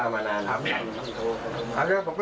๕แล้วก็มานานหรอครับครับผมก็ยอมเลยนะครับ